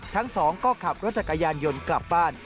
ทั้งสองก็ขับรถจักรยานยนต์กลับบ้าน